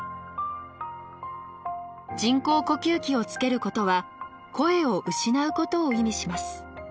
人工呼吸器をつけることは声を失うことを意味します。